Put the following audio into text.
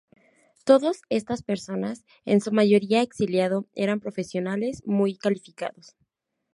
Todos estas personas, en su mayoría exiliados, eran profesionales muy calificados.